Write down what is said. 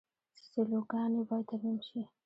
سیلوګانې باید ترمیم شي.